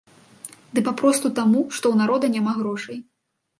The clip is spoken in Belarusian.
Ды папросту таму, што ў народа няма грошай.